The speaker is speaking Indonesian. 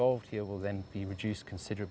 akan dikurangkan secara berat